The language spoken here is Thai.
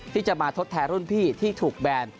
ที่จะมาทดแทนรุ่นพี่ที่ถูกแบน